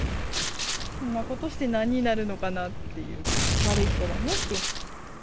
そんなことして何になるのかなって、悪い人だねって。